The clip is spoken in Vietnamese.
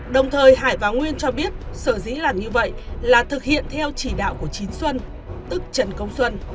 đồng thời hải và nguyên cho biết sở dĩ làm như vậy là thực hiện theo chỉ đạo của chín xuân tức trần công xuân